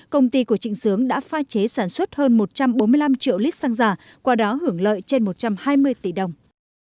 công ty của trịnh sướng đã phai chế sản xuất hơn một trăm bốn mươi năm triệu lít xăng giả qua đó hưởng lợi trên một trăm hai mươi tỷ đồng